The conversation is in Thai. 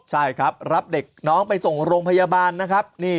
ใช่ครับรับเด็กน้องไปส่งโรงพยาบาลนะครับ